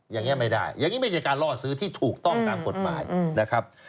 อย่างนี้ไม่ได้อย่างนี้ไม่ใช่การล่อซื้อที่ถูกต้องตามกฎหมายนะครับ